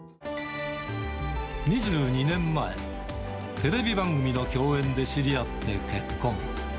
２２年前、テレビ番組の共演で知り合って結婚。